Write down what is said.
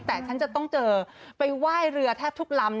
แต่ฉันจะต้องเจอไปไหว้เรือแทบทุกลำ